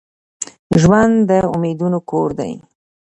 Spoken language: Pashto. ژوند د امیدونو کور دي.